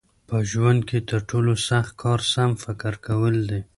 په ژوند کې تر ټولو سخت کار سم فکر کول دي.